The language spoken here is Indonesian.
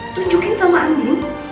tunjukin sama andi